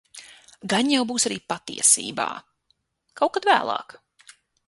Gan jau būs arī patiesībā. Kaut kad vēlāk.